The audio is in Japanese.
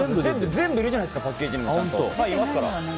全部いるじゃないですかパッケージにもちゃんと。